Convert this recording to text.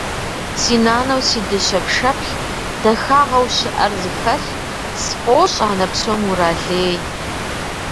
Си нанэу си дыщэ пшэплъ, дахагъэу щыӏэр зыхэлъ, сфӏощӏ анэ псом уралей.